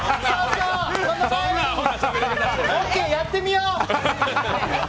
ＯＫ、やってみよう！